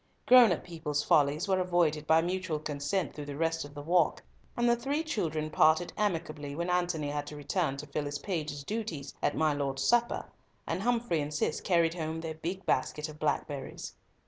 Grown up people's follies were avoided by mutual consent through the rest of the walk, and the three children parted amicably when Antony had to return to fulfil his page's duties at my lord's supper, and Humfrey and Cis carried home their big basket of blackberries.